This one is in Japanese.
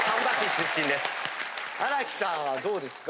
荒木さんはどうですか？